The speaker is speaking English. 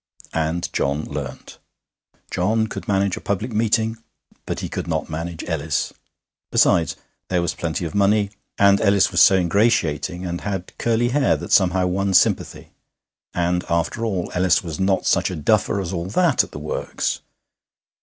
And John learnt. John could manage a public meeting, but he could not manage Ellis. Besides, there was plenty of money; and Ellis was so ingratiating, and had curly hair that somehow won sympathy. And, after all, Ellis was not such a duffer as all that at the works.